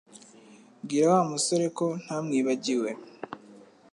Bwira Wa musore ko ntamwibagiwe